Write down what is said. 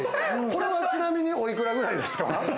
これはちなみにおいくらくらいですか？